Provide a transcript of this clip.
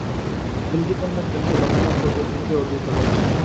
তিনটি পণ্যের ক্ষেত্রেই লক্ষ্যমাত্রা ও প্রবৃদ্ধি অর্জিত হয়েছে।